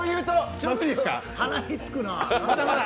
鼻につくなあ。